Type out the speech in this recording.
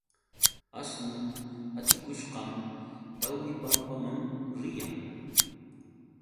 Asnun atikushqam Tawripampaman riyan.